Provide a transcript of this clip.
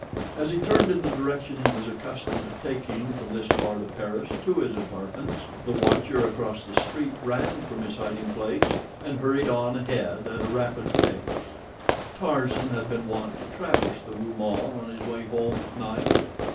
As he turned in the direction he was accustomed to taking from this part of Paris to his apartments, the watcher across the street ran from his hiding place and hurried on ahead at a rapid pace. Tarzan had been wont to traverse the Rue Maule on his way home at night.